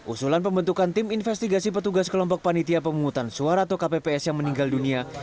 usulan pembentukan tim investigasi petugas kelompok panitia pemungutan suara atau kpps yang meninggal dunia